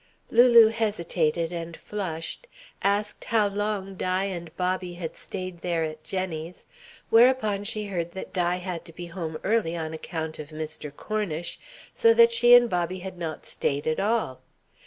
Lulu hesitated and flushed, asked how long Di and Bobby had stayed there at Jenny's; whereupon she heard that Di had to be home early on account of Mr. Cornish, so that she and Bobby had not stayed at all.